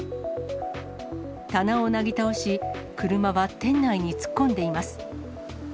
棚をなぎ倒し、車は店内に突っ込んでいます。